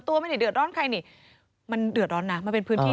ไม่ได้เดือดร้อนใครนี่มันเดือดร้อนนะมันเป็นพื้นที่